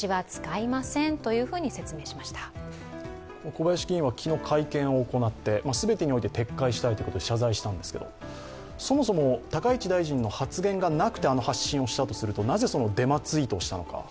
小林議員は昨日会見を行って、全てにおいて撤回したいと謝罪したんですけれども、そもそも高市大臣の発言がなくてなくて、あの発信をしたとすると、なぜあのデマツイートをしたのか。